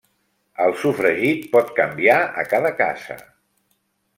El sofregit pot canviar a cada casa.